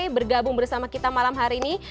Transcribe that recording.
bergabung bersama kita malam hari ini